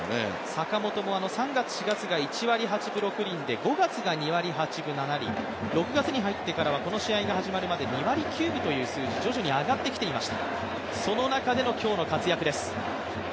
坂本も３月、４月が１割８分６厘で１割８分６厘で、６月に入ってからはこの試合が始まるまで２割９分という数字、徐々に上がってきていました、その中での今日の活躍です。